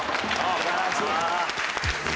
素晴らしい！